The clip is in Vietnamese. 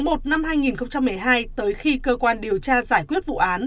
một số luật sư cho rằng từ ngày một một hai nghìn một mươi hai tới khi cơ quan điều tra giải quyết vụ án